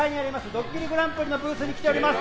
「ドッキリＧＰ」のブースに来ております。